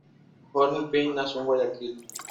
Jorge Espín nació en Guayaquil.